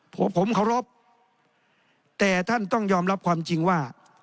ผมผมเคารพแต่ท่านต้องยอมรับความจริงว่า